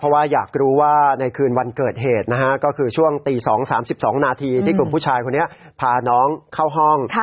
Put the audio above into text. เพราะว่าอยากรู้ว่าในคืนวันเกิดเหตุนะฮะก็คือช่วงตี๒๓๒นาทีที่กลุ่มผู้ชายคนนี้พาน้องเข้าห้อง